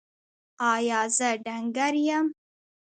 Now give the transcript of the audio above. ایا زه ډنګر یم؟